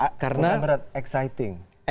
bukan berat exciting